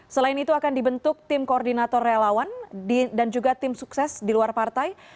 selain itu akan dibentuk tim koordinator relawan dan juga tim sukses di luar partai